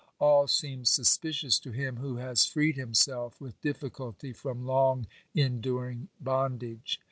All seems suspicious to him who has freed himself with difficulty from long enduring bondage.